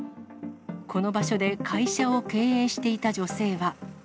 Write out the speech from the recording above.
この場所で、会社を経営していた女性は。